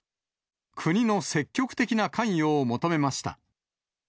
国の積極的な関与を求めました。